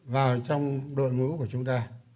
vào trong đội ngũ của chúng ta